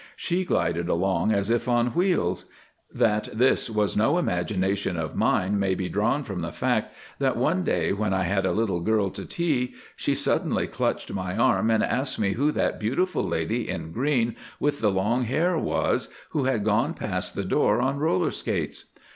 She glided along as if on wheels. That this was no imagination of mine may be drawn from the fact that one day when I had a little girl to tea she suddenly clutched my arm and asked me who that beautiful lady in green with the long hair was, who had gone past the door on roller skates.